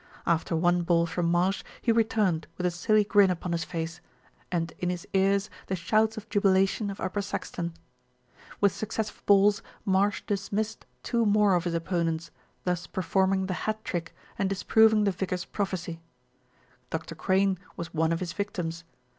After one ball from Marsh he returned with a silly grin upon his face, and in his ears the shouts of jubila tion of Upper Saxton. With successive balls Marsh dismissed two more of his opponents, thus performing the hat trick and dis proving the vicar's prophecy. Dr. Crane was one of his victims.